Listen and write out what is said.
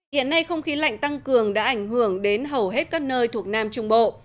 hiện nay không khí lạnh tăng cường đã ảnh hưởng đến hầu hết các nơi thuộc nam trung bộ